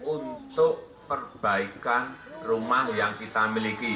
untuk perbaikan rumah yang kita miliki